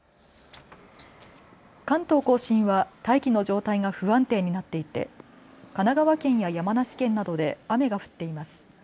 関東甲信は大気の状態が不安定になっていて神奈川県や山梨県などで雨が降っています。